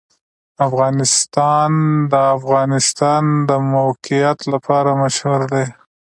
افغانستان د د افغانستان د موقعیت لپاره مشهور دی.